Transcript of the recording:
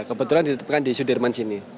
kebetulan ditetapkan di sudirman sini